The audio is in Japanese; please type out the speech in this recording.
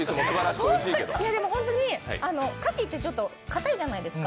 本当に、柿ってちょっと固いじゃないですか。